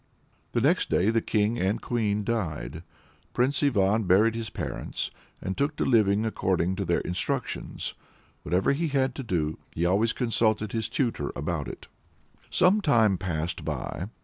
The next day the king and queen died. Prince Ivan buried his parents, and took to living according to their instructions. Whatever he had to do, he always consulted his tutor about it. Some time passed by.